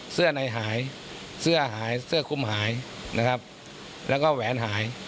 เสื้อในหายเสื้อหายเสื้อคุมหายและก็แวนหาย